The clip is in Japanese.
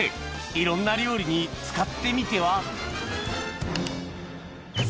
いろんな料理に使ってみては？